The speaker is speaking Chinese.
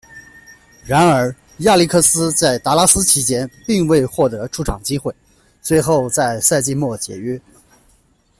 然而，亚历克斯在达拉斯期间并未获得出场机会，最后在赛季末解约。